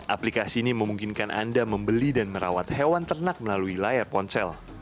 aplikasi ini memungkinkan anda membeli dan merawat hewan ternak melalui layar ponsel